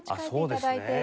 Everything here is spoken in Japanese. そうですね。